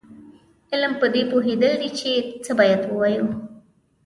علم پدې پوهېدل دي چې څه باید ووایو.